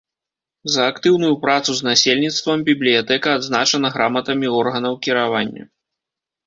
За актыўную працу з насельніцтвам бібліятэка адзначана граматамі органаў кіравання.